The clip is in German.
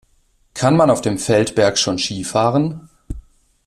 Kann man auf dem Feldberg schon Ski fahren?